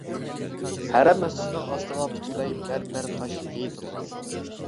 ھەرەم مەسچىتىنىڭ ئاستىغا پۈتۈنلەي مەرمەر تاش يېيىتىلغان.